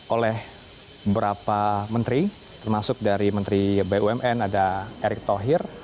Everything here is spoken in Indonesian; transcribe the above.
oleh beberapa menteri termasuk dari menteri bumn ada erick thohir